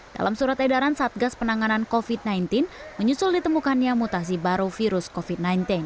dalam surat edaran satgas penanganan covid sembilan belas menyusul ditemukannya mutasi baru virus covid sembilan belas